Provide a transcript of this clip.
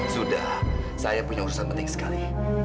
sudah saya punya urusan penting sekali